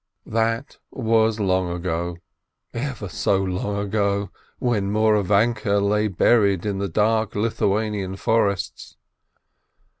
That was long ago, ever so long ago, when Mouravanke lay buried in the dark Lithuanian forests.